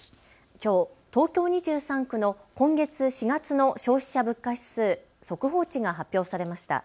きょうの東京２３区の今月４月の消費者物価指数、速報値が発表されました。